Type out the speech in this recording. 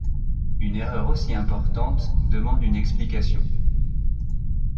Une erreur aussi importante demande une explication.